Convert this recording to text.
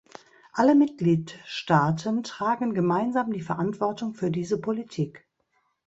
Alle Mitgliedstaaten tragen gemeinsam die Verantwortung für diese Politik.